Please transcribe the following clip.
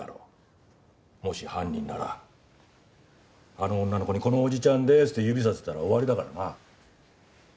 もし犯人ならあの女の子に「このおじちゃんです」って指さされたら終わりだからな。